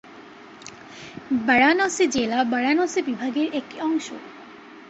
বারাণসী জেলা বারাণসী বিভাগের একটি অংশ।